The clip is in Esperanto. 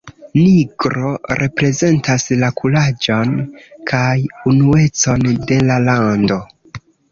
Nigro reprezentas la kuraĝon kaj unuecon de la lando.